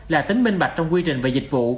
là tính minh bạch trong quy trình về dịch vụ